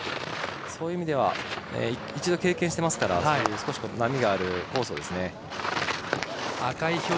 そういう意味では一度経験していますから少し波があるコースを。